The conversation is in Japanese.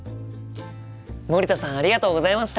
森田さんありがとうございました。